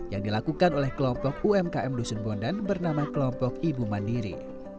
yang dilakukan oleh kelompok umkm dusun bondan bernama kelompok ibu mandiri